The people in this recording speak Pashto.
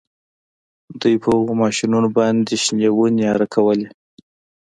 دوی په هغو ماشینونو باندې شنې ونې اره کولې